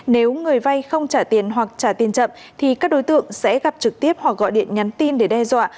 nếu người vay không trả tiền hoặc trả tiền chậm thì các đối tượng sẽ gặp trực tiếp hoặc gọi điện nhắn tin để đe dọa